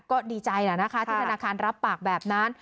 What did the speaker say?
ก็ดีใจแหละนะคะที่ธนาคารรับปากแบบนั้น